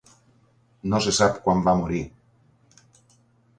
No se sap quan va morir.